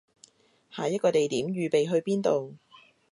下一個地點預備去邊度